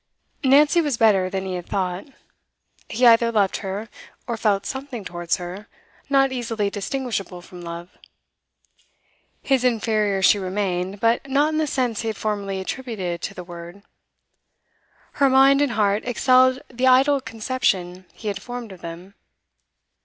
Nancy was better than he had thought; he either loved her, or felt something towards her, not easily distinguishable from love. His inferior she remained, but not in the sense he had formerly attributed to the word. Her mind and heart excelled the idle conception he had formed of them.